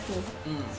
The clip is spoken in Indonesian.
bernyamanan sih ya